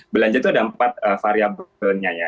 belanja itu ada empat variabelnya ya